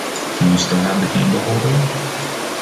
Do you still have the candle holder?